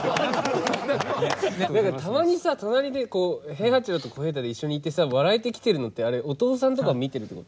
たまにさ隣でこう平八郎と小平太で一緒にいてさ笑えてきてるのってあれ音尾さんとか見てるってこと？